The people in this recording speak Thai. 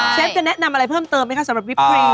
ฟจะแนะนำอะไรเพิ่มเติมไหมคะสำหรับวิปเพลง